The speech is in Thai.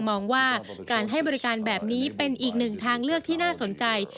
มองว่าการให้บริการแบบนี้เป็นอีกหนึ่งทางเลือกที่น่าสนใจ